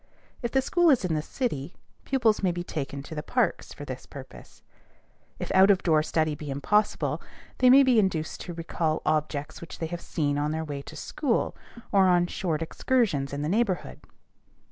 If the school is in the city, pupils may be taken to the parks for this purpose. If out of door study be impossible, they may be induced to recall objects which they have seen on their way to school or on short excursions in the neighborhood.